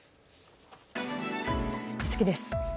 次です。